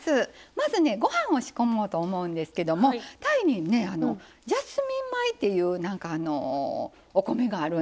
まずねご飯を仕込もうと思うんですけどもタイにジャスミン米っていうお米があるんですよね。